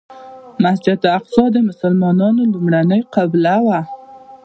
مسجد الاقصی د مسلمانانو لومړنۍ قبله وه.